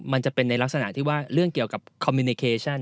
มันจะเป็นในลักษณะที่ว่าเรื่องเกี่ยวกับคอมมิวนิเคชัน